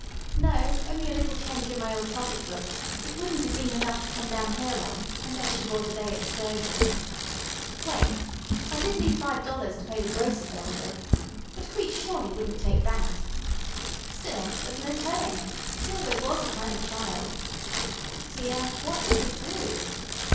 "No, only a little change in my old pocketbook; it wouldn't have been enough to come down here on, unless she bought a day excursion. Wait. I did leave five dollars to pay the grocer bill with. But Crete surely wouldn't take that. Still, there's no telling. She always was a kind of a child. O, dear! What shall we do?"